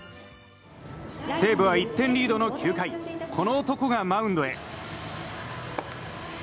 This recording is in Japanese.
西武は１点リードの９回この男がマウンドへ。